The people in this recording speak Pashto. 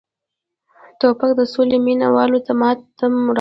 توپک د سولې مینه والو ته ماتم راوړي.